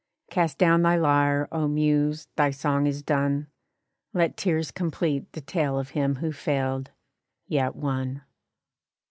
Cast down thy lyre, oh Muse! thy song is done! Let tears complete the tale of him who failed, yet won.